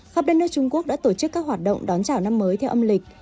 khắp đất nước trung quốc đã tổ chức các hoạt động đón chào năm mới theo âm lịch